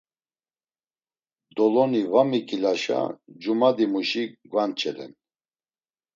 Doloni va miǩilaşa cumadimuşi gvanç̌elen.